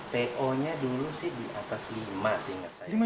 po nya dulu sih di atas lima seingat saya